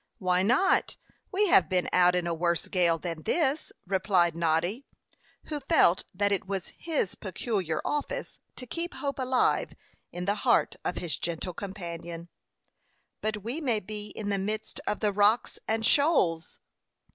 "Why not? We have been out in a worse gale than this," replied Noddy, who felt that it was his peculiar office to keep hope alive in the heart of his gentle companion. "But we may be in the midst of the rocks and shoals."